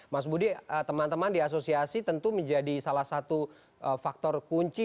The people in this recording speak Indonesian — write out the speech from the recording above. mas budi teman teman di asosiasi tentu menjadi salah satu faktor kunci